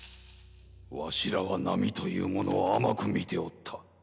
わしらは波というものを甘く見ておった。